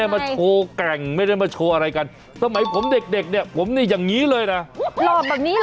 บอกอย่างไร